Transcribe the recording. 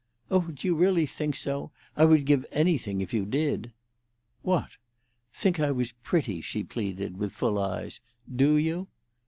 "Oh, do you really think so? I would give anything if you did." "What?" "Think I was pretty," she pleaded, with full eyes. "Do you?"